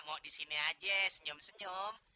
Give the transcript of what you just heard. mau disini aja senyum senyum